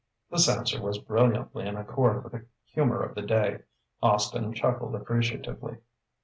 This answer was brilliantly in accord with the humour of the day. Austin chuckled appreciatively.